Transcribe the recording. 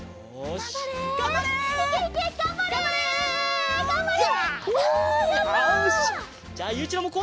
がんばれ！